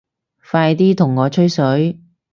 快啲同我吹水